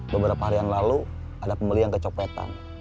beberapa harian lalu ada pembelian kecopetan